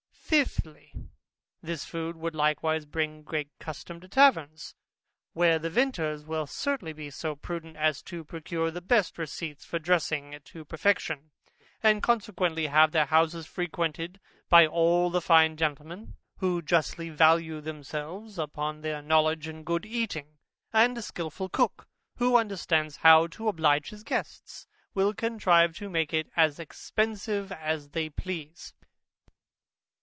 Fifthly, This food would likewise bring great custom to taverns, where the vintners will certainly be so prudent as to procure the best receipts for dressing it to perfection; and consequently have their houses frequented by all the fine gentlemen, who justly value themselves upon their knowledge in good eating; and a skilful cook, who understands how to oblige his guests, will contrive to make it as expensive as they please.